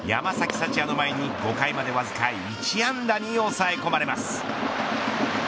福也の前に、５回までわずか１安打に抑え込まれます。